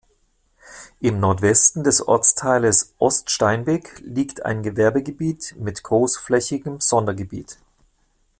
Im Nordwesten des Ortsteiles Oststeinbek liegt ein Gewerbegebiet mit großflächigem Sondergebiet.